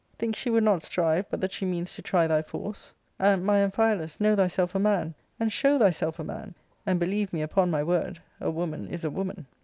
Think she would not strive but that she means to try thy force ; and, my AmphialuSy know thyself a man, and show thyself a man, and beUeve me upon my word, a woman is a woman."